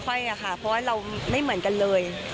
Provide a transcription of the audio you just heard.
ค่ะเพราะว่าเราไม่เหมือนกันเลย